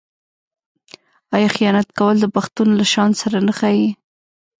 آیا خیانت کول د پښتون له شان سره نه ښايي؟